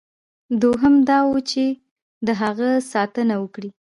دوهم دا وه چې د هغه ساتنه وکړي.